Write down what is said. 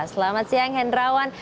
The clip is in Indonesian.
selamat siang hendrawan